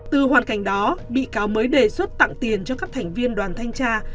từ hoàn cảnh đó bị cáo mới đề xuất tặng tiền cho các thành viên đoàn thanh tra